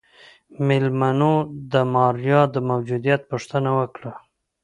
مېلمنو د ماريا د موجوديت پوښتنه وکړه.